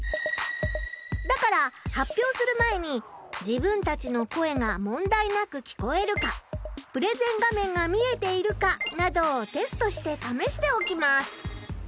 だから発表する前に自分たちの声が問題なく聞こえるかプレゼン画面が見えているかなどをテストしてためしておきます。